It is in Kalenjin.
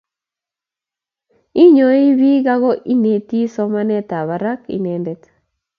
inyoi biik ago ineti somanetabbarak inendet